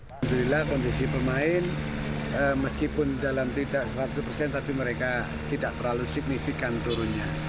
alhamdulillah kondisi pemain meskipun dalam tidak seratus persen tapi mereka tidak terlalu signifikan turunnya